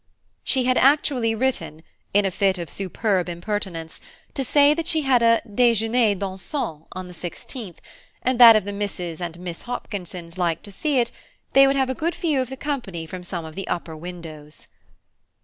She had actually written, in a fit of superb impertinence, to say that she had a déjeuner dansant on the 16th, and that if Mrs. and the Miss Hopkinsons liked to see it, they would have a good view of the company from some of the upper windows.